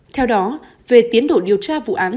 theo đó về tiến đổi điều tra vụ án